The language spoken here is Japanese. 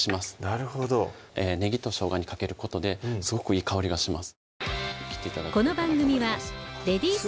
なるほどねぎとしょうがにかけることですごくいい香りがします